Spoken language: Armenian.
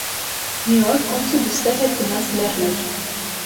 Մի օր կոմսը դստեր հետ գնաց լեռներ։